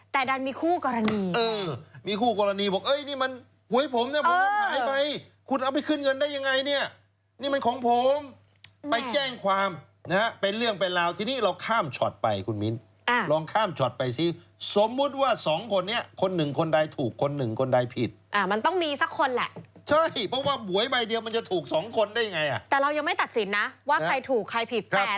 แต่ดังมีคู่กรณีนะครับบ๊วยบ๊วยบ๊วยบ๊วยบ๊วยบ๊วยบ๊วยบ๊วยบ๊วยบ๊วยบ๊วยบ๊วยบ๊วยบ๊วยบ๊วยบ๊วยบ๊วยบ๊วยบ๊วยบ๊วยบ๊วยบ๊วยบ๊วยบ๊วยบ๊วยบ๊วยบ๊วยบ๊วยบ๊วยบ๊วยบ๊วยบ๊วยบ๊วยบ